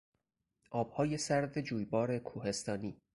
آبهای سرد جویبار کوهستانی